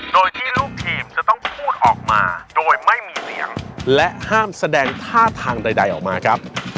โดยที่ลูกทีมจะต้องพูดออกมาโดยไม่มีเสียงและห้ามแสดงท่าทางใดออกมาครับ